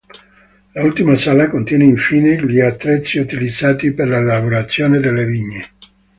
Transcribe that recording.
L'ultima sala contiene infine, gli attrezzi utilizzati per la lavorazione delle vigne.